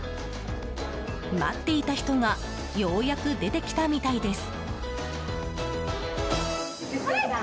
待っていた人がようやく出てきたみたいです。